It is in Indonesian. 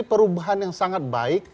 perubahan yang sangat baik